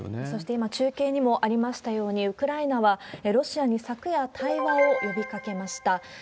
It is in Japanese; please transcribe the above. そして今、中継にもありましたように、ウクライナはロシアに昨夜、対話を呼びかけました。